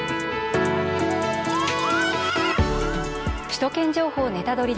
「首都圏情報ネタドリ！」